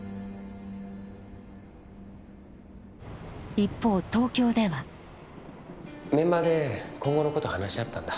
一方東京ではメンバーで今後のこと話し合ったんだ。